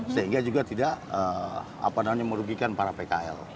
sehingga juga tidak merugikan para pkl